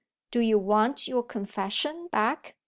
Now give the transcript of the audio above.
"Do you want your Confession back?"